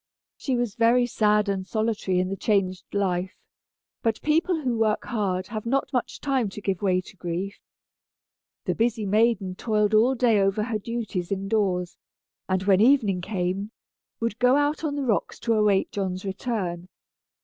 She was very sad and solitary in the changed life, but people who work hard have not much time to give way to grief. The busy maiden toiled all day over her duties in doors, and when evening came, would go out on the rocks to await John's return.